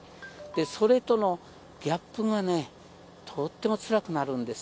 それとのギャップがね、とってもつらくなるんです。